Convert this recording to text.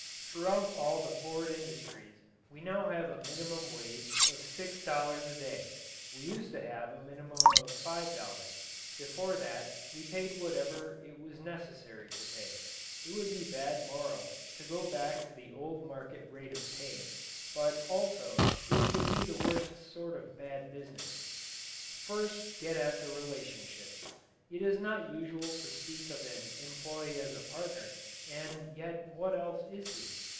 Throughout all the Ford industries we now have a minimum wage of six dollars a day; we used to have a minimum of five dollars; before that we paid whatever it was necessary to pay. It would be bad morals to go back to the old market rate of paying but also it would be the worst sort of bad business. First get at the relationships. It is not usual to speak of an employee as a partner, and yet what else is he?